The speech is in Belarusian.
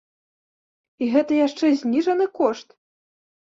І гэта яшчэ зніжаны кошт!